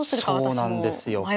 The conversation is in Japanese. そうなんですよ。